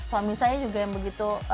suami saya juga yang begitu